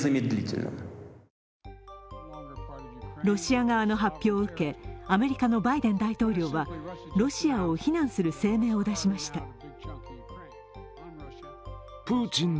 ロシア側の発表を受け、アメリカのバイデン大統領はロシアを非難する声明を出しました。